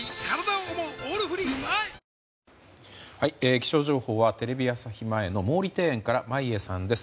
気象情報はテレビ朝日前の毛利庭園から眞家さんです。